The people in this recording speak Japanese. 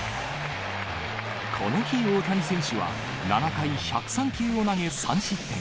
この日、大谷選手は、７回１０３球を投げ、３失点。